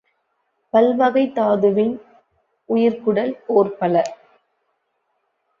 பல்வகைத் தாதுவின் உயிர்க்குடல் போற்பல